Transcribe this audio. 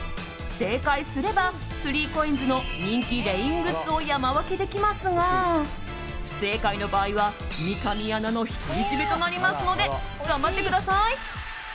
正解すれば、３ＣＯＩＮＳの人気レイングッズを山分けできますが不正解の場合は三上アナの独り占めとなりますので頑張ってください。